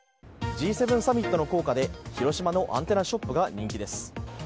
Ｇ７サミットの効果で、広島のアンテナショップが人気です。